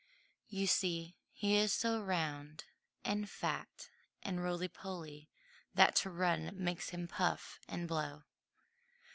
You see, he is so round and fat and roly poly that to run makes him puff and blow.